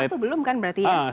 itu belum kan berarti ya